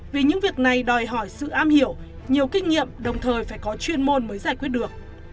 vì những việc này đòi hỏi sự am hiểu nhiều kinh nghiệm đồng thời phải có chuyên môn mới giải quyết được